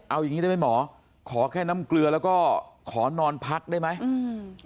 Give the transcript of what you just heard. เอาอย่างงี้ได้ไหมหมอขอแค่น้ำเกลือแล้วก็ขอนอนพักได้ไหมอืม